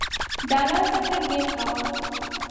د الله ذکر ډیر کوه